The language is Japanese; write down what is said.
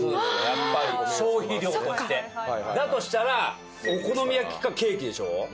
やっぱり消費量としてそっかだとしたらお好み焼きかケーキでしょ？